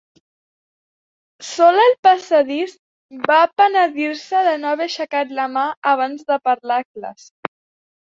Sola al passadís, va penedir-se de no haver aixecat la mà abans de parlar a classe.